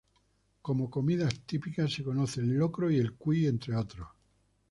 Como comidas típicas se conoce el Locro y el Cuy entre otros.